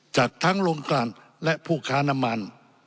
จากทั้งโรงการและผู้ค้าน้ำมัน